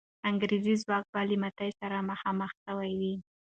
انګریزي ځواک به له ماتې سره مخ سوی وي.